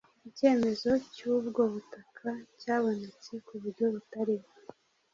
Icyemezo cy’ubwo butaka cyabonetse ku buryo butari bwo